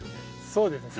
そうですね。